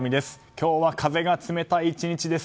今日は風が冷たい１日です。